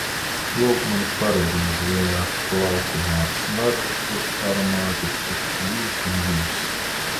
Lūk mana paradīze – vienā plaukumā! Smaržu aromāti tik vītin vijas.